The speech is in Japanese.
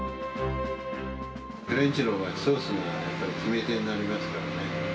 フレンチの場合、やっぱりソースが決め手になりますからね。